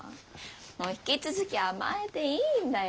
もう引き続き甘えていいんだよ。